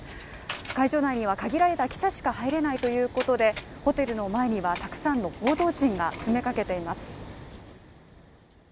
会場内には限られた記者しか入れないということで、ホテルの前にはたくさんの報道陣が詰めかけています。